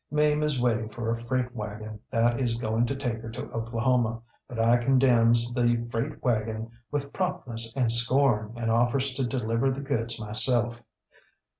Mame is waiting for a freight wagon that is going to take her to Oklahoma, but I condemns the freight wagon with promptness and scorn, and offers to deliver the goods myself.